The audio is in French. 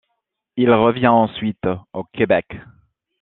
Il revient ensuite au Québec.